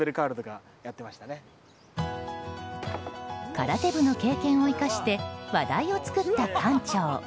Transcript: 空手部の経験を生かして話題を作った館長。